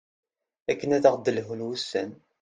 akken ad aɣ-d-lhun wussan